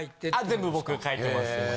全部僕書いてます。